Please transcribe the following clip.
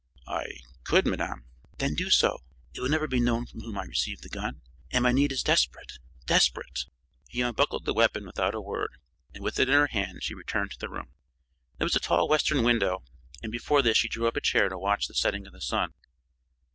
"I could, madame." "Then do so. It will never be known from whom I received the gun and my need is desperate desperate!" He unbuckled the weapon without a word, and with it in her hand she returned to the room. There was a tall western window, and before this she drew up a chair to watch the setting of the sun.